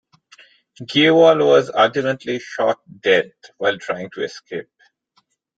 Gaywal was ultimately shot dead while trying to escape.